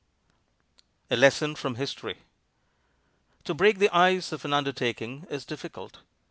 A LESSON FROM HISTORY To break the ice of an undertaking is difficult.